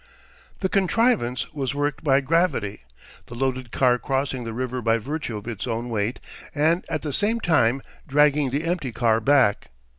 The contrivance was worked by gravity, the loaded car crossing the river by virtue of its own weight, and at the same time dragging the empty car back.